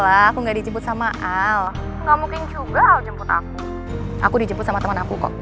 aku dijemput sama temen aku kok